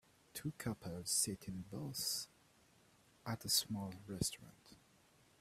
Two couples sit in booths at a small restaurant.